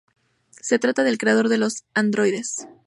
Se trata del creador de los androides.